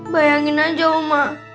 bayangin aja om mak